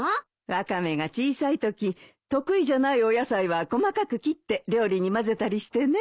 ワカメが小さいとき得意じゃないお野菜は細かく切って料理に混ぜたりしてね。